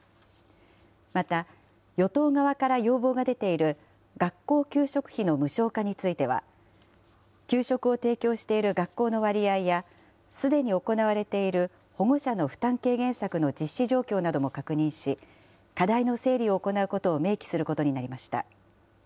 また与党側から要望が出ている学校給食費の無償化については、給食を提供している学校の割合や、すでに行われている保護者の負担軽減策の実施状況なども確認し、課題の整理を行うことを明記することになりました。